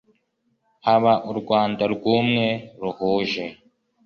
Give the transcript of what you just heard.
Haba u Rwanda rw'umwe ruhuje